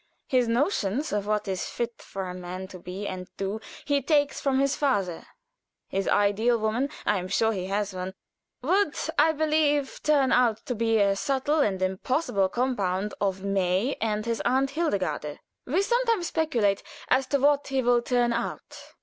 His notions of what is fit for a man to be and do he takes from his father; his ideal woman I am sure he has one would, I believe, turn out to be a subtle and impossible compound of May and his aunt Hildegarde. We sometimes speculate as to what he will turn out.